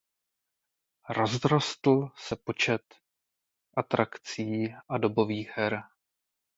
Rozrostl se počet atrakcí a dobových her.